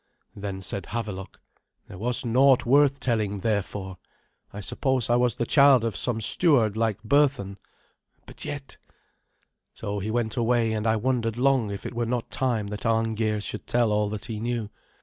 Then said Havelok, "There was naught worth telling, therefore. I suppose I was the child of some steward like Berthun; but yet " So he went away, and I wondered long if it were not time that Arngeir should tell all that he knew.